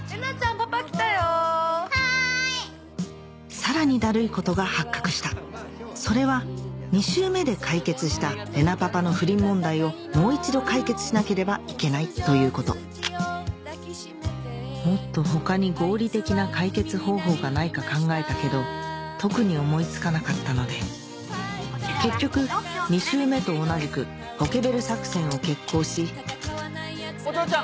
さらにだるいことが発覚したそれは２周目で解決した玲奈パパの不倫問題をもう一度解決しなければいけないということもっと他に合理的な解決方法がないか考えたけど特に思い付かなかったので結局２周目と同じくポケベル作戦を決行しお嬢ちゃん！